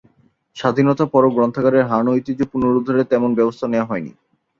স্বাধীনতার পরও গ্রন্থাগারের হারানো ঐতিহ্য পুনরুদ্ধারের তেমন ব্যবস্থা নেয়া হয়নি।